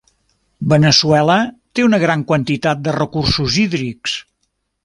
Veneçuela té una gran quantitat de recursos hídrics.